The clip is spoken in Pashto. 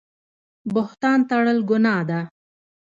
بهتان تړل ګناه ده